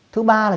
thứ ba là